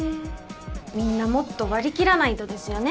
みんなもっと割り切らないとですよね。